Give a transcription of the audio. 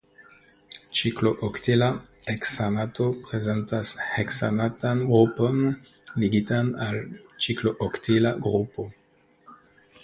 Ciklooktila heksanato prezentas heksanatan grupon ligitan al ciklooktila grupo.